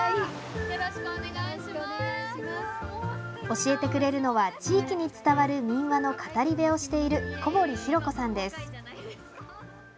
教えてくれるのは地域に伝わる民話の語り部をしている小堀ひろ子さんです。